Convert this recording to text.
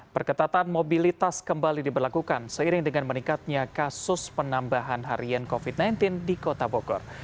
perketatan mobilitas kembali diberlakukan seiring dengan meningkatnya kasus penambahan harian covid sembilan belas di kota bogor